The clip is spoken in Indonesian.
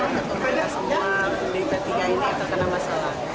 ketuk kita semua di ketiga ini terkena masalah